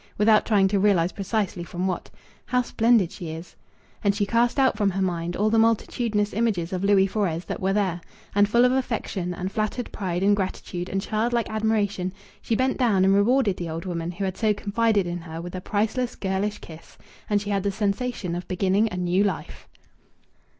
(Without trying to realize precisely from what.) "How splendid she is!" And she cast out from her mind all the multitudinous images of Louis Fores that were there. And, full of affection, and flattered pride and gratitude and childlike admiration, she bent down and rewarded the old woman who had so confided in her with a priceless girlish kiss. And she had the sensation of beginning a new life.